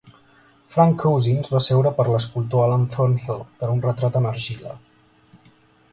Frank Cousins va seure per l'escultor Alan Thornhill per a un retrat en argila.